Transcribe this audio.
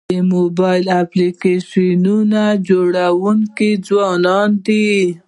د موبایل اپلیکیشنونو جوړونکي ځوانان دي.